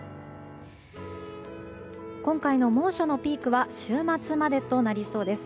今回の猛暑のピークは週末までとなりそうです。